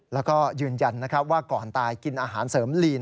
แล้วก็ยืนยันว่าก่อนตายกินอาหารเสริมลีน